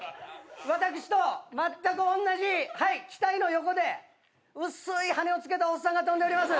私とまったくおんなじ機体の横でうっすい羽をつけたおっさんが飛んでおります。